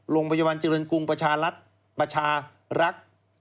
โรงพยาบาลเจริญกรุงประชารักษ์